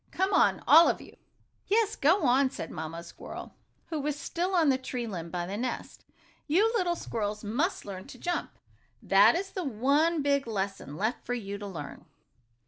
Come on, all of you!" "Yes, go on!" said Mamma Squirrel, who was still on the tree limb by the nest. "You little squirrels must learn to jump. That is the one, big lesson left for you to learn."